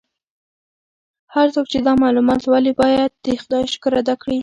هر څوک چې دا معلومات لولي باید د خدای شکر ادا کړي.